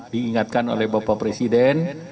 diingatkan oleh bapak presiden